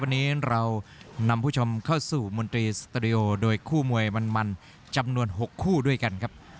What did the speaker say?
วันนี้เรานำผู้ชมเข้าสู่มนตรีสตูดิโอโดยคู่มวยมันจำนวน๖คู่ด้วยกันครับ